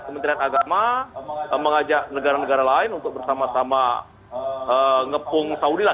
kementerian agama mengajak negara negara lain untuk bersama sama ngepung saudi lah